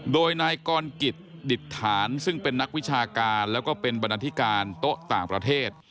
โดยนายกรกิจดิตฐานซึ่งเป็นนักวิชาการแล้วก็เป็นบรรณาธิการโต๊ะต่างประเทศ